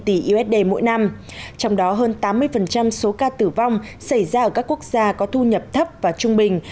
trong đó hơn tám mươi số ca tử vong xảy ra ở các quốc gia có thu nhập thấp và trung bình